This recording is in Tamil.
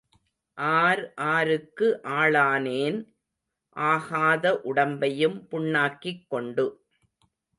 ஆர் ஆருக்கு ஆளானேன், ஆகாத உடம்பையும் புண்ணாக்கிக் கொண்டு.